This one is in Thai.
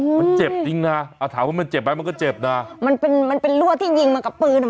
มันเจ็บจริงนะเอาถามว่ามันเจ็บไหมมันก็เจ็บนะมันเป็นมันเป็นรั่วที่ยิงมากับปืนอ่ะ